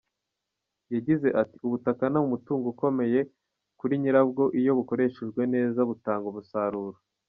Yagize ati “Ubutaka ni umutungo ukomeye kuri nyirabwo iyo bukoreshejwe neza butanga umusaruro.